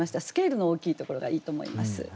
スケールの大きいところがいいと思います。